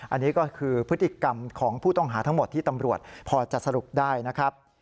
อันนี้ก็คือพฤติกรรมของผู้ต้องหาทั้งหมดที่ตำรวจพอจะสรุปได้นะครับ